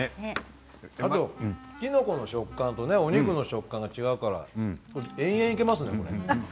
きのこの食感とお肉の食感が違うから永遠にいけますね。